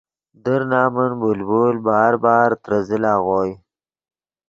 در نمن بلبل بار بار ترے زل اغوئے